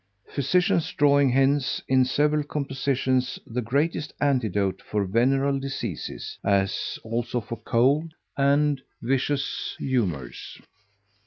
physicians drawing hence, in several compositions, the greatest antidote for venereal diseases; as also for cold and viscous humours.